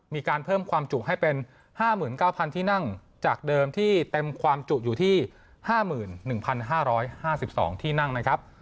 มีการเพิ่มความจุให้เป็น๕๙๐๐ที่นั่งจากเดิมที่เต็มความจุอยู่ที่๕๑๕๕๒ที่นั่งนะครับ